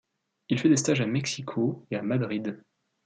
Il fait des stages à Mexico et à Madrid.